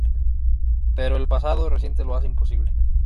Pero el pasado reciente lo hace imposible.